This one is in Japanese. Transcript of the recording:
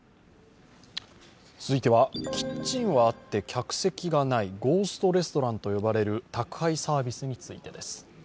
続いては、キッチンはあって客席がない、ゴーストレストランと呼ばれる宅配サービスについてです。